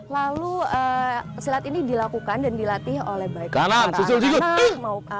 lalu silat ini dilakukan dan dilatih oleh baik baik para anak